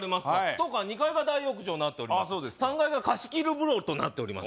当館は２階が大浴場になっておりまして３階が貸切風呂となっております